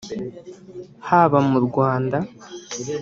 haba mu Rwanda